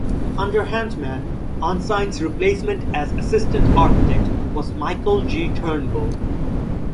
Under Hantman, Ensign's replacement as Assistant Architect was Michael G. Turnbull.